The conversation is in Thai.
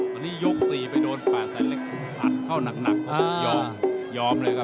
ตอนนี้ยก๔ไปโดนแปดแสนเหล็กผลัดเข้านักยอมเลยครับ